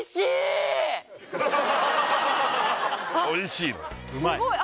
おいしいの？